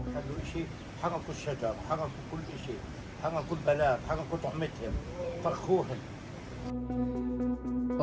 seorang penduduk kamp ria torokwan mengatakan bahwa sebelas dombanya terbunuh dalam penyerbuan tersebut